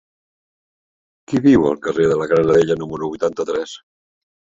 Qui viu al carrer de la Granadella número vuitanta-tres?